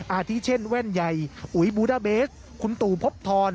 อาทิเช่นแว่นใหญ่อุ๋ยบูด้าเบสคุณตู่พบทร